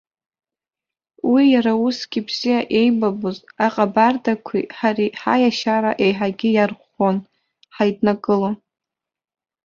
Уи иара усгьы бзиа еибабоз аҟабардақәеи ҳареи ҳаиашьара еиҳагьы иарӷәӷәон, ҳаиднакылон.